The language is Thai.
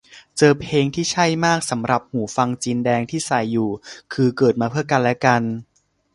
เจอเพลงที่ใช่มากสำหรับหูฟังจีนแดงที่ใส่อยู่ คือเกิดมาเพื่อกันและกัน